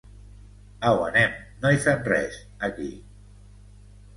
Au anem, no hi fem res, aquí.